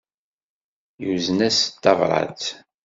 Yuzen-as-n tabrat.